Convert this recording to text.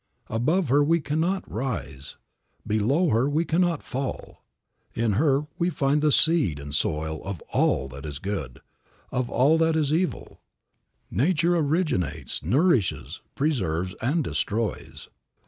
Above her we cannot rise, below her we cannot fall. In her we find the seed and soil of all that is good, of all that is evil. Nature originates, nourishes, preserves and destroys.